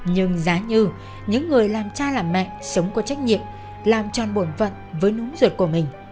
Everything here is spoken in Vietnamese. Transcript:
nhưng giá như những người làm cha làm mẹ sống có trách nhiệm làm tròn bổn phận với núng ruột của mình